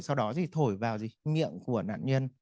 sau đó thì thổi vào miệng của nạn nhân